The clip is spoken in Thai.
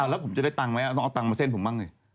แล้วผมจะได้ตังค์ไหมต้องเอาตังค์มาเส้นผมบ้างสิ